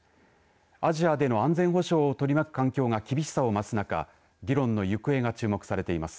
アジアでの安全保障を取り巻く環境が厳しさを増す中議論の行方が注目されています。